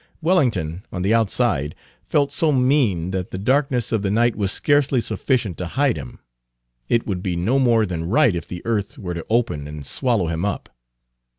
Wellington, on the outside, felt so mean that the darkness of the night was scarcely sufficient to hide him; it would be no more than right if the earth were to open and swallow him up.